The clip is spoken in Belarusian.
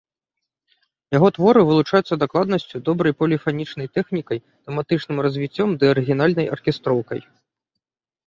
Яго творы вылучаюцца дакладнасць, добрай поліфанічнай тэхнікай, тэматычным развіццём ды арыгінальнай аркестроўкай.